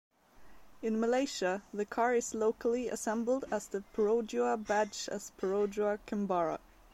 In Malaysia, the car is locally assembled as the Perodua badge as Perodua Kembara.